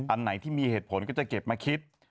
อันไหนที่มีเหตุผลก็จะเก็บมาคิด